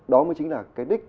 đó mới chính là cái đích